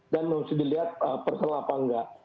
dan harus dilihat personal apa enggak